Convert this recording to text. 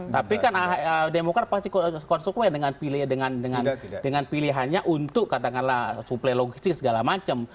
tapi kan demokrat pasti konsekuen dengan pilihannya untuk katakanlah suplai logistik segala macam